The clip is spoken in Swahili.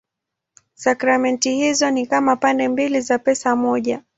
Sakramenti hizo ni kama pande mbili za pesa moja.